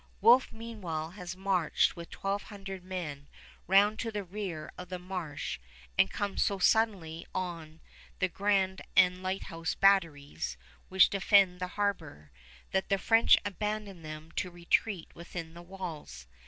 Wolfe, meanwhile, has marched with twelve hundred men round to the rear of the marsh and comes so suddenly on the Grand and Lighthouse Batteries, which defend the harbor, that the French abandon them to retreat within the walls.